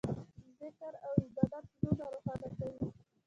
ذکر او عبادت زړونه روښانه کوي.